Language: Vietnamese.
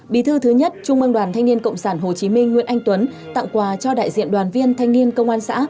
bí thư thứ nhất trung mương đoàn thanh niên cộng sản hồ chí minh nguyễn anh tuấn tặng quà cho đại diện đoàn viên thanh niên công an xã